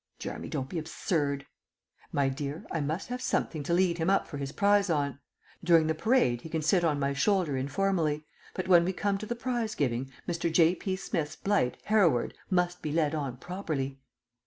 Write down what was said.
"Jeremy, don't be absurd." "My dear, I must have something to lead him up for his prize on. During the parade he can sit on my shoulder informally, but when we come to the prize giving, 'Mr. J. P. Smith's blight, Hereward,' must be led on properly."